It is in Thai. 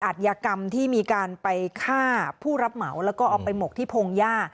ทยากรรมที่มีการไปฆ่าผู้รับเหมาแล้วก็เอาไปหมกที่พงหญ้า